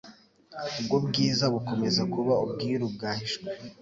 Ubwo bwiza bukomeza kuba ubwiru bwahishwe